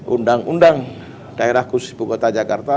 undang undang daerah khusus bukota jakarta